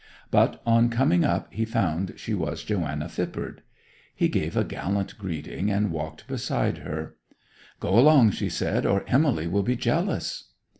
But, on coming up, he found she was Joanna Phippard. He gave a gallant greeting, and walked beside her. 'Go along,' she said, 'or Emily will be jealous!